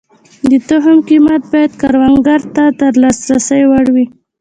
د تخم قیمت باید کروندګر ته د لاسرسي وړ وي.